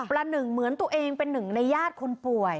ละหนึ่งเหมือนตัวเองเป็นหนึ่งในญาติคนป่วย